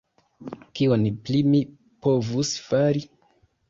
Kion pli mi povus fari?